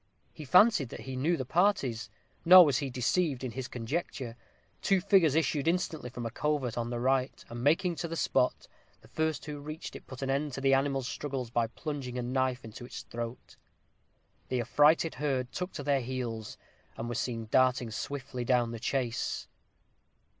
He fancied that he knew the parties; nor was he deceived in his conjecture. Two figures issued instantly from a covert on the right, and making to the spot, the first who reached it put an end to the animal's struggles by plunging a knife into its throat. The affrighted herd took to their heels, and were seen darting swiftly down the chase.